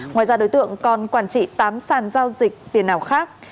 ngoài ra đối tượng còn quản trị tám sàn giao dịch tiền ảo khác